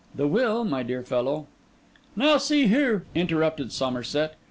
The will, my dear fellow—' 'Now, see here,' interrupted Somerset.